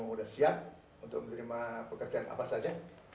sudah siap untuk menerima pekerjaan apa saja